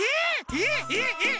えっえっえっ！